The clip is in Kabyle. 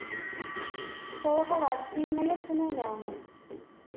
Ttṛuḥuɣ ar ssinima yal ssmana.